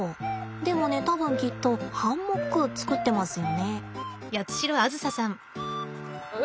でもね多分きっとハンモック作ってますよね。